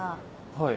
はい。